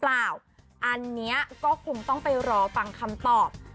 อันนี้ก็คงต้องไปรอฟังคำตอบ